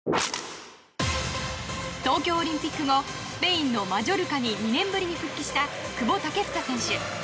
東京オリンピック後スペインのマジョルカに２年ぶりに復帰した久保建英選手。